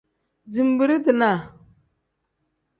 Zinbirii-dinaa.